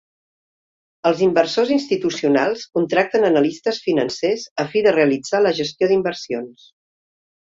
Els inversors institucionals contracten analistes financers a fi de realitzar la gestió d'inversions.